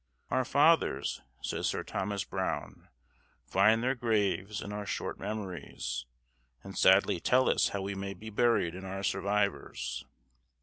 "Our fathers," says Sir Thomas Browne, "find their graves in our short memories, and sadly tell us how we may be buried in our survivors."